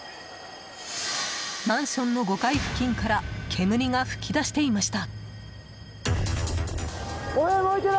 マンションの５階付近から煙が噴き出していました。